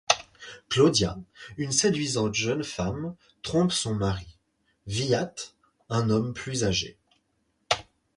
Claudia, une séduisante jeune femme, trompe son mari, Wyatt, un homme plus âgé.